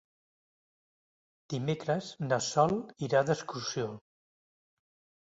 Dimecres na Sol irà d'excursió.